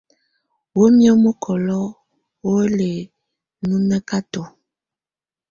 Wǝ́miǝ́ mɔkɔlɔ wɔ lɛ́ núŋǝ́kǝ́tɔ́.